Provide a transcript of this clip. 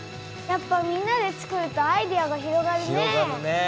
やっぱみんなでつくるとアイデアが広がるね。